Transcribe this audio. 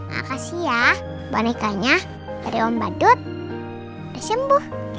makasih ya bonekanya dari om badut udah sembuh